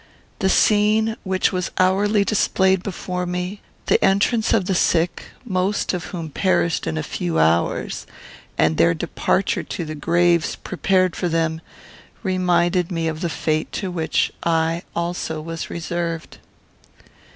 The scene which was hourly displayed before me, the entrance of the sick, most of whom perished in a few hours, and their departure to the graves prepared for them, reminded me of the fate to which I, also, was reserved.